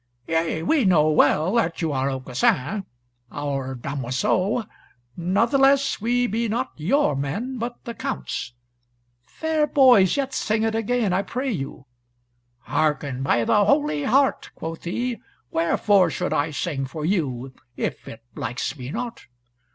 "Yea, we know well that you are Aucassin, out damoiseau, natheless we be not your men, but the Count's." "Fair boys, yet sing it again, I pray you." "Hearken! by the Holy Heart," quoth he, "wherefore should I sing for you, if it likes me not?